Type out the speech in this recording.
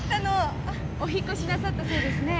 お引っ越しなさったそうですね。